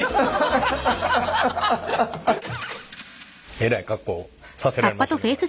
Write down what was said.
えらい格好させられましたねこれ。